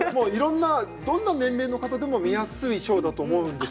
どんな年齢の方でも見やすいショーだと思うんです。